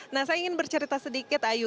nah saya ingin bercerita sedikit ayu